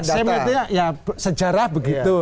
saya melihatnya ya sejarah begitu